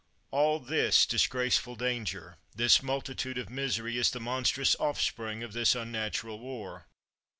All this disgraceful danger, this multitude of misery, is the monstrous offspring of this un natural war.